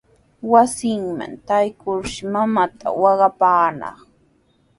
Wasinman traykurshi mamanta waqaparqan.